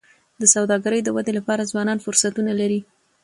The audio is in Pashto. د سوداګری د ودي لپاره ځوانان فرصتونه لري.